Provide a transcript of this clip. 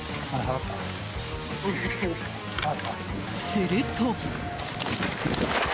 すると。